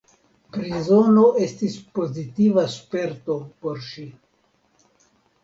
Prizono estis pozitiva sperto por ŝi.